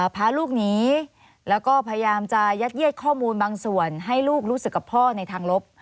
พาลูกหนีแล้วก็พยายามจะยัดเย็ดข้อมูลบางส่วนให้ลูกรู้สึกกับพ่อในทางลบ